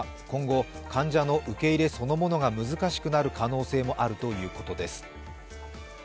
今後、患者の受け入れそのものが難しくなる可能性もあるということです。